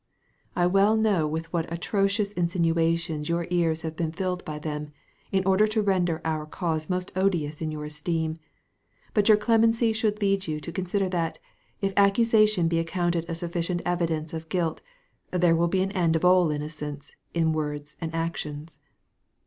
I well know with what atrocious insinuations your ears have been filled by them, in order to render our cause most odious in your esteem; but your clemency should lead you to consider that, if accusation be accounted a sufficient evidence of guilt, there will be an end of all innocence in words and actions.